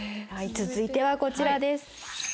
続いてはこちらです。